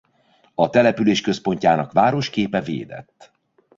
A település központjának városképe védett.